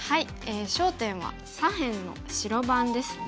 焦点は左辺の白番ですね。